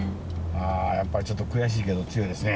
あやっぱりちょっと悔しいけど強いですね。